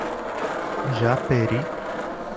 Japeri